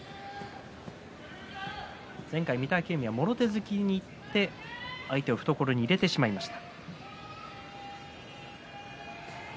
前回、御嶽海はもろ手突きにいって相手を懐に入れてしまいました。